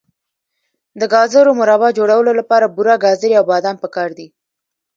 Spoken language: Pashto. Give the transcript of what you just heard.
د ګازرو مربا جوړولو لپاره بوره، ګازرې او بادام پکار دي.